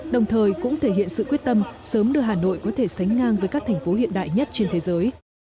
đồng thời cũng thể hiện sự quyết tâm sớm đưa hà nội có thể sánh ngang với các thành phố hiện đại nhất trên thế giới